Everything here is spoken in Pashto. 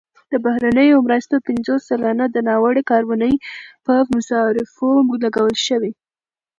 د بهرنیو مرستو پنځوس سلنه د ناوړه کارونې په مصارفو لګول شوي.